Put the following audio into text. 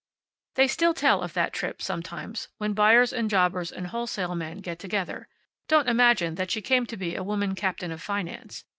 They still tell of that trip, sometimes, when buyers and jobbers and wholesale men get together. Don't imagine that she came to be a woman captain of finance.